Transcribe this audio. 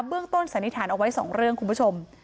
เบื้องต้นสันนิษฐานเอาไว้สองเรื่องคุณผู้ชม